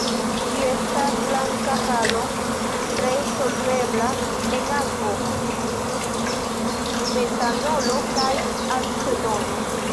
Ĝi estas blanka salo, tre solvebla en akvo, metanolo kaj acetono.